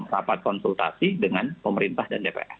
rapat konsultasi dengan pemerintah dan dpr